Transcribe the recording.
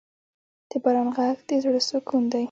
د باران ږغ د زړه سکون دی.